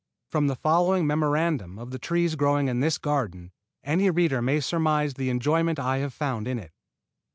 From the following memorandum of the trees growing in this garden any reader may surmise the enjoyment I have found in it.